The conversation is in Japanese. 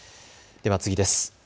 では次です。